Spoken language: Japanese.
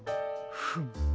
フム。